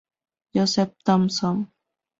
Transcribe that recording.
Joseph Thomson